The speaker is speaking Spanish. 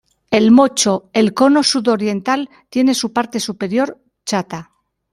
El "Mocho", el cono sud-oriental tiene su parte superior chata.